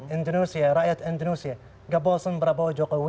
indonesia rakyat indonesia